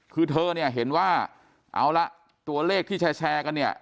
คือเธอเนี่ยเห็นว่าเอาละตัวเลขที่แชร์กันเนี่ย